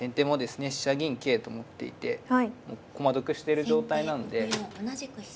飛車銀桂と持っていて駒得してる状態なので。